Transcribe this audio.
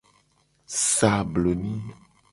Sa abloni.